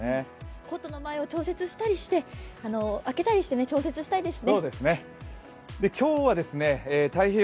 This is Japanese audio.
コートの前を調節したりして、開けたりして調節したいですね。